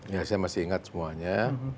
ya saya masih ingat semuanya